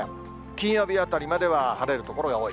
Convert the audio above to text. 金曜日あたりまでは晴れる所が多い。